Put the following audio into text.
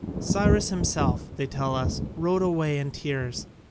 Cyrus himself, they tell us, rode away in tears.